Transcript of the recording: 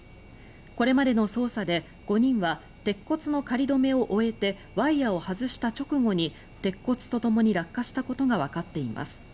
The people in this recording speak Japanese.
これまでの捜査で５人は鉄骨の仮止めを終えてワイヤを外した直後に鉄骨とともに落下したことがわかっています。